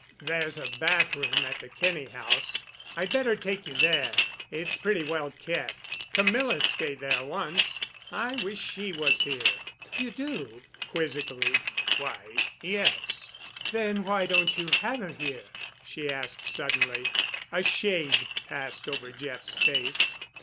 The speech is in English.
"There's a bathroom at the Kinney House. I'd better take you there. It's pretty well kept. Camilla stayed there once. I wish she was here." "You do?" quizzically. "Why—yes." "Then why don't you have her here?" she asked suddenly. A shade passed over Jeff's face.